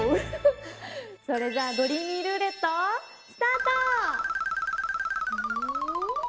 それじゃドリーミールーレットスタート！